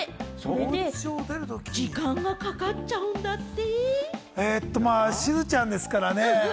で、時間がかかっちゃうんだって。